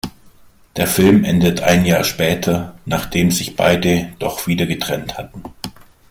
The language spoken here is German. Der Film endet ein Jahr später, nachdem sich beide doch wieder getrennt hatten.